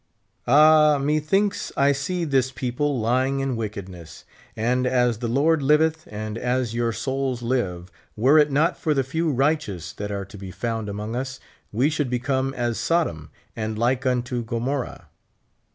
Ah ! methinks I see this people lying in wickedness ; and as the Lord liveth, and as your souls live, were it not for the few righteous that are to be found among us, we should become as Sodom, and like unto Gomorrah.